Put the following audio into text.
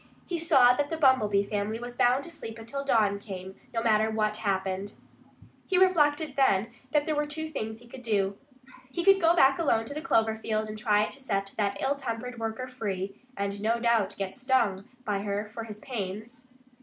He saw that the Bumblebee family was bound to sleep until dawn came, no matter what happened. He reflected, then, that there were two things he could do. He could go back alone to the clover field and try to set that ill tempered worker free and no doubt get stung by her for his pains.